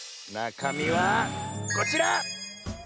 なかみはこちら！